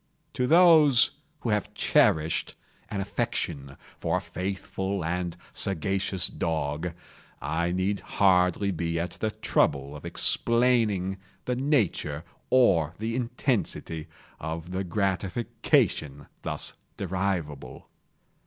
To those who have cherished an affection for a faithful and sagacious dog, I need hardly be at the trouble of explaining the nature or the intensity of the gratification thus derivable.